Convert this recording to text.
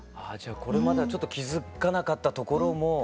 ああじゃあこれまではちょっと気付かなかったところも。